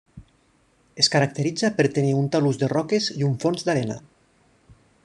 Es caracteritza per tenir un talús de roques i un fons d’arena.